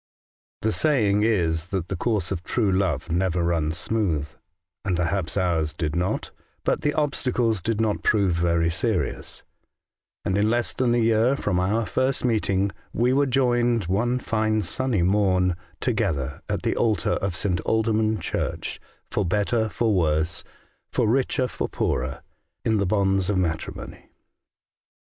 The saying is, that the course of true love never runs smooth, and perhaps ours did not ; but the obstacles did not prove very serious, and in less than a year from our first meeting we were joined one fine sunny morn together at the altar of St. Aldemund Church, '' for better, for worse ; for richer, for' poorer,*' in the bonds of matrimony.